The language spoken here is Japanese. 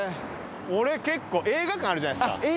俺結構映画館あるじゃないですか。